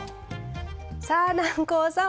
さあ南光さん